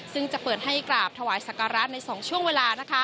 ซึ่งจะเปิดให้กราบถวายสักการะใน๒ช่วงเวลา